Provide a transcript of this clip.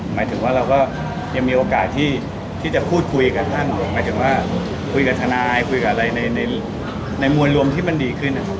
หมายถึงว่าเราก็ยังมีโอกาสที่จะพูดคุยกับท่านหมายถึงว่าคุยกับทนายคุยกับอะไรในมวลรวมที่มันดีขึ้นนะครับ